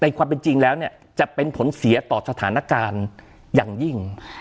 ความเป็นจริงแล้วเนี่ยจะเป็นผลเสียต่อสถานการณ์อย่างยิ่ง